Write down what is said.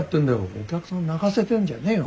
お客さん泣かせてんじゃねえよ。